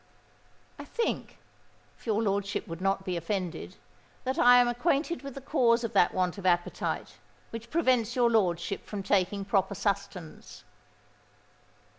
"I think—if your lordship would not be offended—that I am acquainted with the cause of that want of appetite, which prevents your lordship from taking proper sustenance."